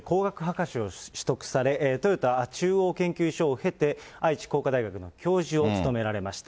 名古屋の名古屋大学大学院で工学博士を取得され、豊田中央研究所を経て、愛知工科大学の教授を務められました。